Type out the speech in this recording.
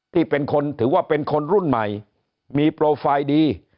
ที่เป็นคนถือว่าเป็นคนรุ่นใหม่มีโปรไฟล์ดี